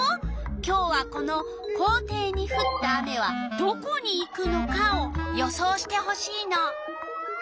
今日はこの「校庭にふった雨はどこにいくのか？」を予想してほしいの。